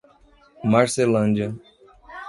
Marcelândia